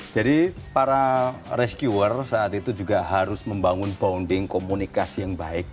jadi para rescuer saat itu juga harus membangun bounding komunikasi yang baik